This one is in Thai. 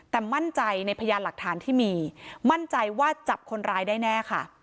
แต่มั่นใจในพยานหลักฐานที่มีมั่นใจว่าจับคนร้ายได้แน่ค่ะ